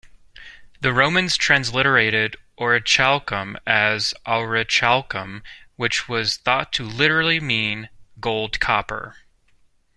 The Romans transliterated "orichalcum" as "aurichalcum," which was thought to literally mean "gold copper".